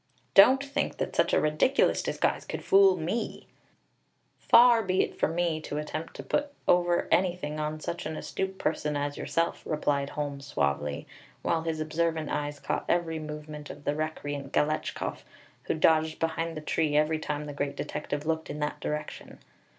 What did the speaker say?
Don't think that such a ridiculous disguise could fool me." "Far be it from me to attempt to put over anything on such an astute person as yourself," replied Holmes suavely, while his observant eyes caught every movement of the recreant Galetchkoff, who dodged behind the tree every time the great detective looked in that direction.